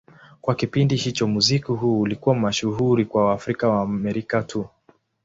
Kwa kipindi hicho, muziki huu ulikuwa mashuhuri kwa Waafrika-Waamerika tu.